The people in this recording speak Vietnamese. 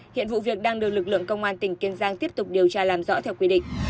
hiện vụ việc đang được lực lượng công an tỉnh kiên giang tiếp tục điều tra làm rõ theo quy định